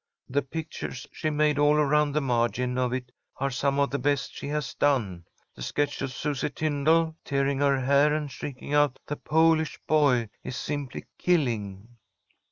The pictures she made all around the margin of it are some of the best she has done. The sketch of Susie Tyndall, tearing her hair and shrieking out the 'Polish Boy,' is simply killing."